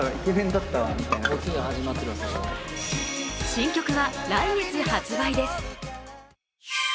新曲は来月発売です。